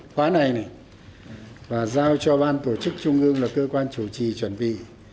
khóa này này và giao cho ban tổ chức trung ương là cơ quan chủ trì chuẩn bị